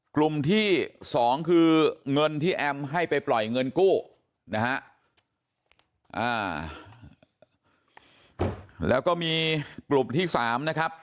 กลุ่มที่สองคือเงินที่แอมให้ไปปล่อยเงินกู้นะฮะอ่าแล้วก็มีกลุ่มที่สามนะครับ